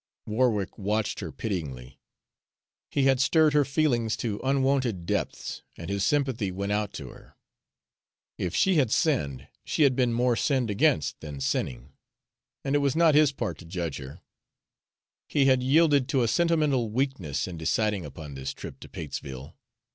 Warwick watched her pityingly. He had stirred her feelings to unwonted depths, and his sympathy went out to her. If she had sinned, she had been more sinned against than sinning, and it was not his part to judge her. He had yielded to a sentimental weakness in deciding upon this trip to Patesville.